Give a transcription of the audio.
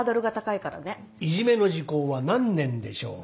いじめの時効は何年でしょうか？